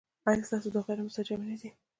ایا ستاسو دعاګانې مستجابې نه دي؟